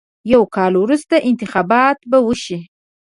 یو کال وروسته انتخابات به وشي.